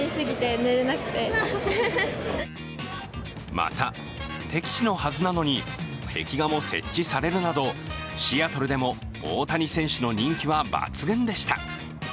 また、敵地のはずなのに壁画も設置されるなどシアトルでも大谷選手の人気は抜群でした。